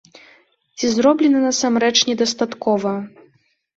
Ці зроблена насамрэч недастаткова?